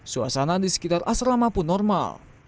suasana di sekitar asrama pun normal